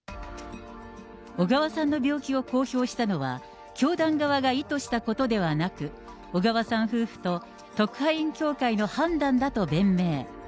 小川さんの病気を公表したのは、教団側が意図したことではなく、小川さん夫婦と特派員協会の判断だと弁明。